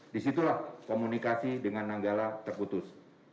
disitulah komunikasi dengan nanggala terputus